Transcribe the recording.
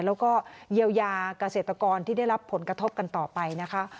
แล้วก็เยียวยาเกษตรกรที่ได้รับผลกระทบกันต่อไปนะคะ